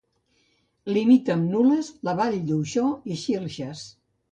Limita amb Nules, la Vall d'Uixó i Xilxes.